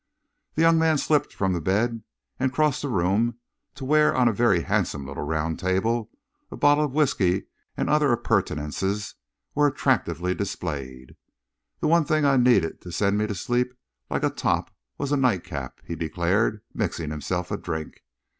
The young man slipped from the bed and crossed the room to where, on a very handsome little round table, a bottle of whisky and other appurtenances were attractively displayed. "The one thing I needed to send me to sleep like a top was a nightcap," he declared, mixing himself a drink.